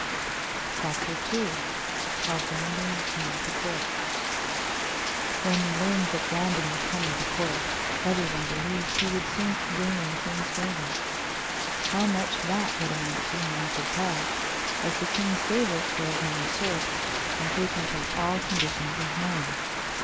CHAPTER II How Brandon Came to Court When we learned that Brandon was coming to court, every one believed he would soon gain the king's favor. How much that would amount to none could tell, as the king's favorites were of many sorts and taken from all conditions of men.